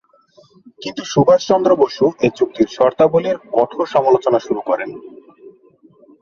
কিন্তু সুভাষচন্দ্র বসু এ চুক্তির শর্তাবলির কঠোর সমালোচনা শুরু করেন।